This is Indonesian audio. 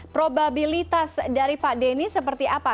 probabilitas dari pak denny seperti apa